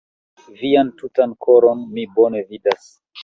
Vian tutan koron mi bone vidas.